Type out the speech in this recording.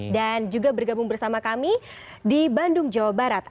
dan juga bergabung bersama kami di bandung jawa barat